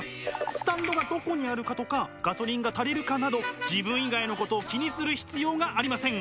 スタンドがどこにあるかとかガソリンが足りるかなど自分以外のことを気にする必要がありません。